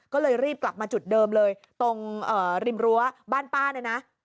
ก็เลยรีบกลับมาจุดเดิมเลยตรงริมรั้วบ้านป้าเนี่ยนะ